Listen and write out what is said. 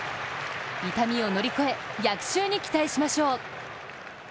痛みを乗り越え、逆襲に期待しましょう。